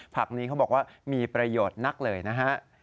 ผักนี้เขาบอกว่ามีประโยชน์นักเลยนะฮะ